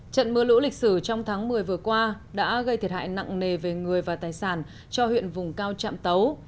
trận mưa lũ lịch sử trong tháng một mươi vừa qua đã gây thiệt hại nặng nề về người và tài sản cho huyện vùng cao trạm tấu